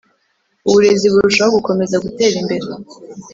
Uburezi burushaho gukomeza gutera imbere.